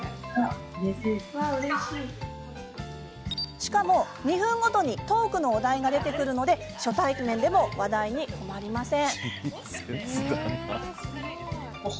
しかも、２分ごとにトークのお題が出てくるので初対面でも話題に困りません。